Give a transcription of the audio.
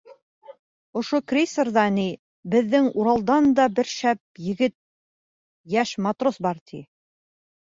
Ошо крейсерҙа, ни, беҙҙең Уралдан да бер шәп егет, йәш матрос бар, ти.